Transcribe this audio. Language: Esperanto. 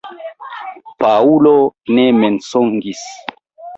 Paŭlo ne mensogis.